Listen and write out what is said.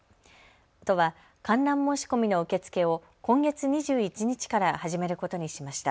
都は観覧申し込みの受け付けを今月２１日から始めることにしました。